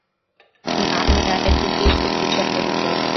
না, আমি আর একটা বিয়ে করতে যাব এই বয়েসে।